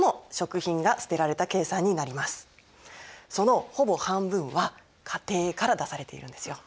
そのほぼ半分は家庭から出されているんですよ。